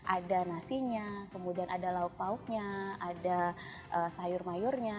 ada nasinya kemudian ada lauk pauknya ada sayur mayurnya